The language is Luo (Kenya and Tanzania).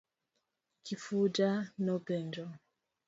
Kifuja no penjo.